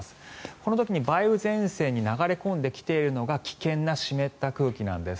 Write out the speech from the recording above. この時に梅雨前線に流れ込んできているのが危険な湿った空気なんです。